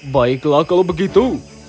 baiklah kalau begitu